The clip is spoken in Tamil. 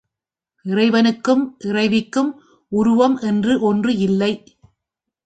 இறைவனுக்கும் இறைவிக்கும் உருவம் என்று ஒன்று இல்லை.